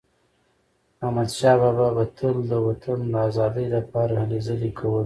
احمدشاه بابا تل د وطن د ازادی لپاره هلې ځلي کولي.